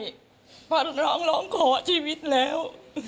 เพราะน้องร้องขอชีวิตแล้ว